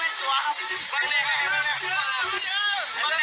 เล่นนี่ดีครับเล่นนี่ดีครับ